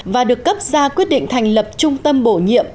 và được cấp ra quyết định thành lập trung tâm bổ nhiệm